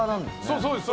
そうです。